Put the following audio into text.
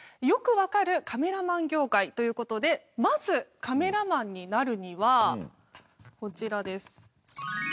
「よくわかるカメラマン業界」という事でまずカメラマンになるにはこちらです。